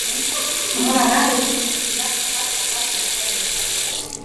Pendant la marée haute, les vagues frappent la base de la falaise.